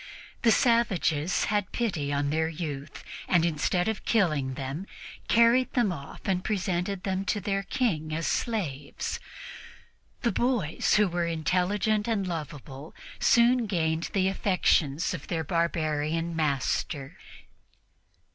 The savages had pity on their youth and, instead of killing them, carried them off and presented them to their King as slaves. The boys, who were intelligent and lovable, soon gained the affections of their barbarian master.